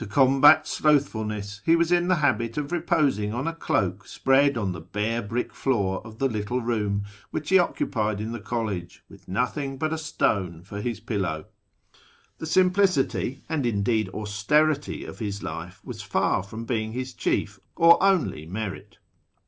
To combat slothfulness he was in the habit of reposing on a cloak spread on the bare brick floor of the little room which he occupied in the college, with nothing but a stone for his pillow. The simplicity and indeed austerity of his life was far from being his chief or only merit.